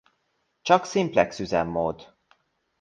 Csak szimplex üzemmód!